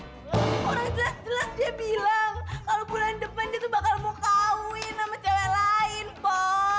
orang jelas jelas dia bilang kalau bulan depan itu bakal mau kawin sama cewek lain pak